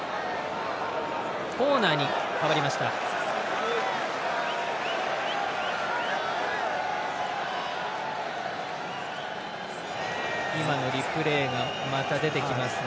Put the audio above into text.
コーナーに変わりました。